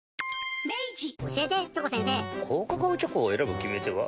高カカオチョコを選ぶ決め手は？